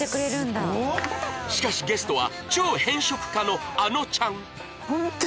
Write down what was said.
しかしゲストは超偏食家のあのちゃん